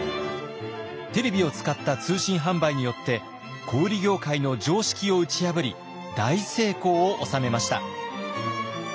テレビを使った通信販売によって小売業界の常識を打ち破り大成功を収めました。